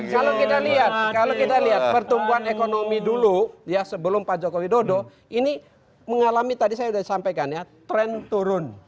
kalau kita lihat kalau kita lihat pertumbuhan ekonomi dulu ya sebelum pak jokowi dodo ini mengalami tadi saya sudah sampaikan ya tren turun